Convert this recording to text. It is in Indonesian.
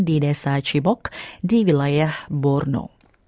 di desa cibok di wilayah borno